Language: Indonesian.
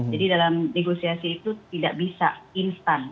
jadi dalam negosiasi itu tidak bisa instan